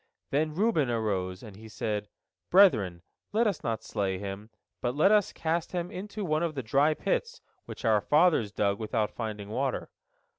Then Reuben arose, and he said, "Brethren, let us not slay him, but let us cast him into one of the dry pits, which our fathers dug without finding water."